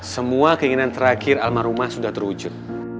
semua keinginan terakhir almarhumah sudah terwujud